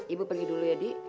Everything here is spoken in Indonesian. ibu pergi dulu ya di